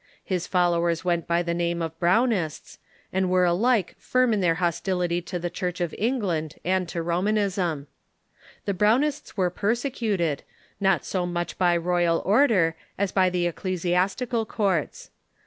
His followers went by the name of Brown ists, and were alike firm in their hostility to the Church o:?"!l" of England and to Romanism, The Brownists were rilgrims » persecuted, not so much by royal order as by the ec clesiastical courts.